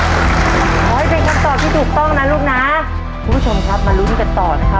ขอให้เป็นคำตอบที่ถูกต้องนะลูกนะคุณผู้ชมครับมาลุ้นกันต่อนะครับ